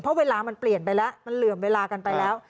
เพราะเวลามันเปลี่ยนไปแล้วมันเหลื่อมเวลากันไปแล้ว